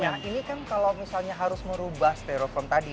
masalahnya ini kan kalau misalnya harus merubah stereofoam tadi